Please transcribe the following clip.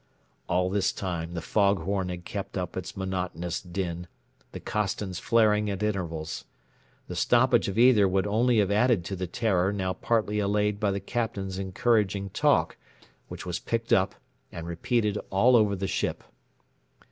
All this time the fog horn had kept up its monotonous din, the Costons flaring at intervals. The stoppage of either would only have added to the terror now partly allayed by the Captain's encouraging talk, which was picked up and repeated all over the ship.